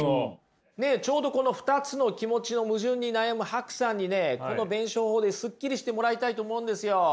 ちょうどこの２つの気持ちの矛盾に悩むＨＡＫＵさんにねこの弁証法でスッキリしてもらいたいと思うんですよ。